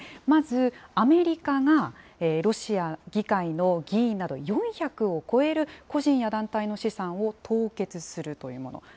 まず、アメリカがロシア議会の議員など４００を超える個人や団体の資産を凍結するというもの。